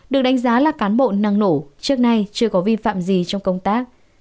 được đánh giá là cán bộ năng nổ trước nay chưa có vi phạm gì trong công tác